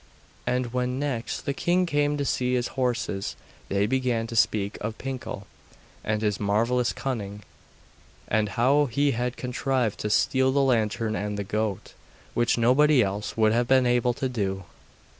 And when next the king came to see his horses they began to speak of Pinkel and his marvellous cunning, and how he had contrived to steal the lantern and the goat, which nobody else would have been able to do.